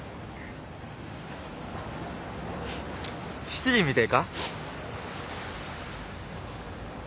執事みてえか？